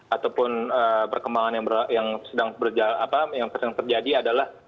ataupun perkembangan yang terjadi adalah